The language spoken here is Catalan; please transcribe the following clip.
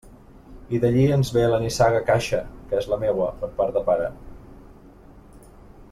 I d'allí ens ve la nissaga Caixa, que és la meua, per part de pare.